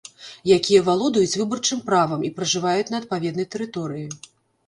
Якія валодаюць выбарчым правам і пражываюць на адпаведнай тэрыторыі.